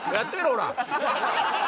ほら。